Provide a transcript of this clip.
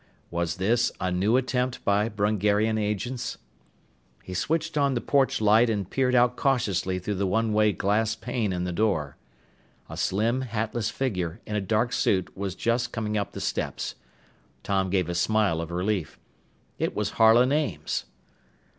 Was this a new attempt by Brungarian agents? He switched on the porch light and peered out cautiously through the one way glass pane in the door. A slim, hatless figure in a dark suit was just coming up the steps. Tom gave a smile of relief. It was Harlan Ames!